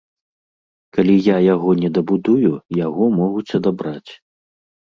Калі я яго не дабудую, яго могуць адабраць.